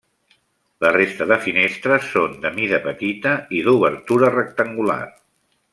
La resta de finestres són de mida petita i d'obertura rectangular.